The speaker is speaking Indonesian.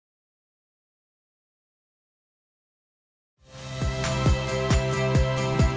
kembali ke kompas tv